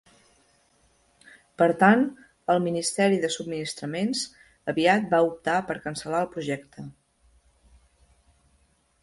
Per tant, el Ministeri de Subministraments aviat va optar per cancel·lar el projecte.